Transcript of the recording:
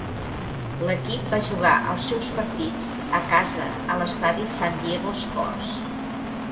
L'equip va jugar els seus partits a casa a l'estadi San Diego Sports.